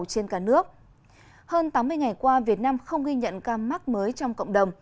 hơn tám mươi ngày qua việt nam không ghi nhận ca mắc mới trong cộng đồng